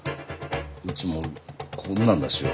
うちもこんなんだしよ。